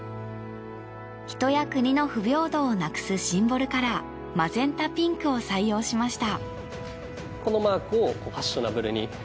人や国の不平等をなくすシンボルカラーマゼンタ・ピンクを採用しました。